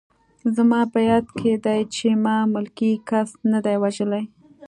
زما په یاد دي چې ما ملکي کس نه دی وژلی